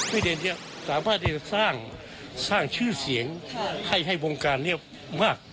พี่เดนเนี่ยสามารถสร้างชื่อเสียงให้ให้วงการเนี่ยมาก